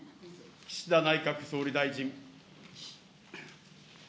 岸田内閣総理大臣。